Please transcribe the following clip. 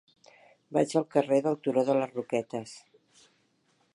Vaig al carrer del Turó de les Roquetes.